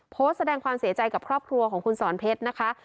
โพสต์แสดงความเสียใจกับครอบครัวของคุณสอนเพชรนะคะ